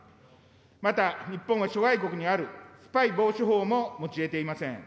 また、日本は諸外国にあるスパイ防止法も持ち得ていません。